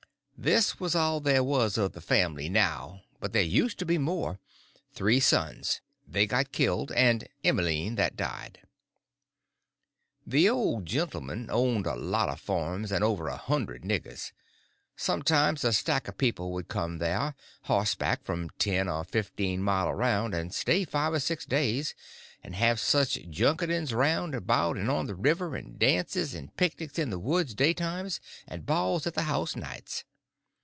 This was all there was of the family now, but there used to be more—three sons; they got killed; and Emmeline that died. The old gentleman owned a lot of farms and over a hundred niggers. Sometimes a stack of people would come there, horseback, from ten or fifteen mile around, and stay five or six days, and have such junketings round about and on the river, and dances and picnics in the woods daytimes, and balls at the house nights.